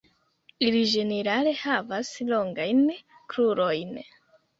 Ili ĝenerale havas longajn krurojn.